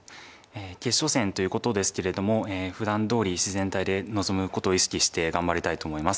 決勝戦ということですけれどもふだんどおり自然体で臨むことを意識して頑張りたいと思います。